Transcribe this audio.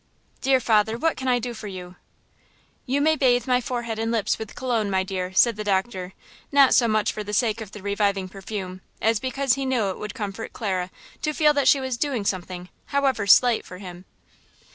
"Dear father, what can I do for you?" "You may bathe my forehead and lips with cologne, my dear," said the doctor, not so much for the sake of the reviving perfume, as because he knew it would comfort Clara to feel that she was doing something, however slight, for him.